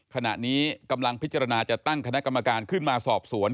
ขณะนี้กำลังพิจารณาจะตั้งคณะกรรมการขึ้นมาสอบสวน